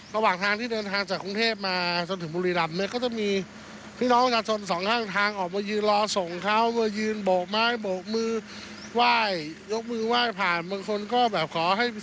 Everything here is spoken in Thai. ครับภารกิจสำเร็จลุ้อล่วงมาด้วยดี